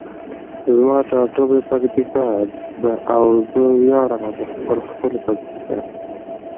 زما ټاټوبی پکتیکا ده او زه ویاړمه په خپله ښکلي پکتیکا.